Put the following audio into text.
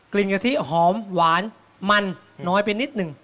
กะทิหอมหวานมันน้อยไปนิดหนึ่ง